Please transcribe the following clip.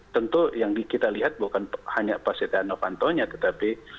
tentu yang kita lihat bukan hanya pak setia novantonya tetapi